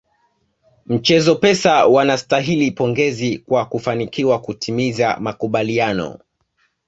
Mchezo Pesa wanastahili pongezi kwa kufanikiwa kutimiza makubaliano